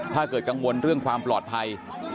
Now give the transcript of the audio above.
ถ้าเกิดกังวลเรื่องความปลอดภัย